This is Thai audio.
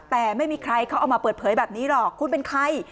แต่ไม่มีใครเขาเอามาเปิดเผยแบบนี้หรอกคุณเป็นใคร